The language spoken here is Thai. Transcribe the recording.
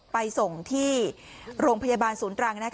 ไปส่งที่โรงพยาบาลศูนย์ตรัง